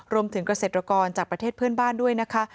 รวมถึงเกษตรกรจากประเทศเพื่อนบ้านด้วยนะคะ